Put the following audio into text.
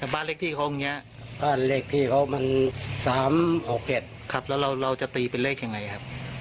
บ้านเลขที่ของเนี้ยบ้านเลขที่ของมันสามหกเจ็ดครับแล้วเราเราจะตีเป็นเลขยังไงครับ